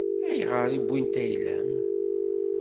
Ayɣer i wwint ayla-m?